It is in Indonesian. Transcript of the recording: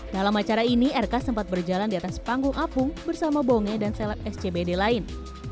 dalam acara ini rk sempat berjalan di atas panggung apung bersama bonge dan seleb scbd lain